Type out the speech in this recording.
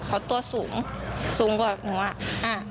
เขาตัวสูงสูงกว่าเพราะงนั่วอ่ะ